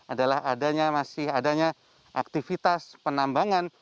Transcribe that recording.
adalah adanya masih adanya aktivitas penambangan